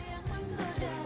ngapain aja sih